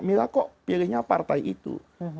mila kok pilihnya partai itu